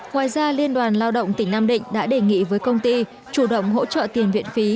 ngoài ra liên đoàn lao động tỉnh nam định đã đề nghị với công ty chủ động hỗ trợ tiền viện phí